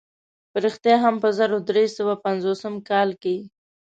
په رښتیا هم په زرو درې سوه پنځوسم کال کې.